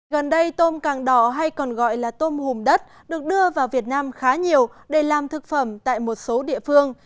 gần đây tôm càng đỏ hay còn gọi là tôm hùm đất được đưa vào việt nam khá nhiều để làm thực phẩm tại một số địa phương